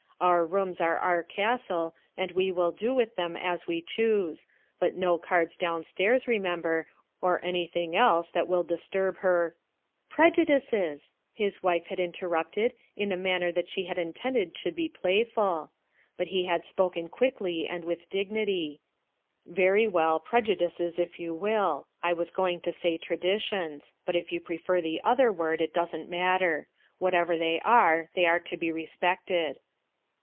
Our rooms arc our castle and we will do with them as we choose; but no cards downstairs, remember, or anything else that will disturb her — u "Prejudices!" his wife had interrupted in a manner that she had intended should be play ful; but he had spoken quickly and with dignity, "Very well, prejudices if you will. I was go ing to say traditions ; but if you prefer the other word, it doesn't matter. Whatever they are, they are to be respected."